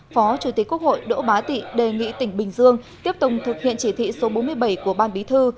phó chủ tịch quốc hội đỗ bá tị đề nghị tỉnh bình dương tiếp tục thực hiện chỉ thị số bốn mươi bảy của ban bí thư